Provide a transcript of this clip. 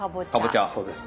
そうです。